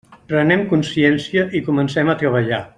Prenem consciència i comencem a treballar.